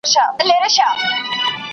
استاد يا مور او پلار ماشوم متوجه کوي.